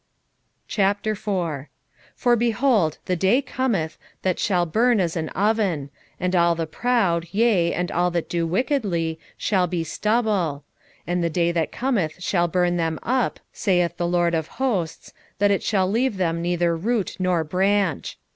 4:1 For, behold, the day cometh, that shall burn as an oven; and all the proud, yea, and all that do wickedly, shall be stubble: and the day that cometh shall burn them up, saith the LORD of hosts, that it shall leave them neither root nor branch.